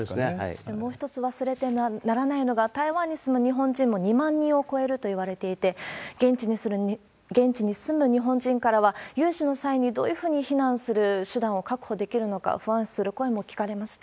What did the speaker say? そしてもう一つ忘れてはならないのは、台湾に住む日本人も２万人を超えるといわれていて、現地に住む日本人からは、有事の際にどういうふうに避難する手段を確保できるのか、不安視する声も聞かれました。